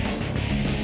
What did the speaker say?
eh mbak be